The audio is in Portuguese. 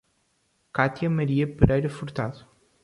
Catia Maria Pereira Furtado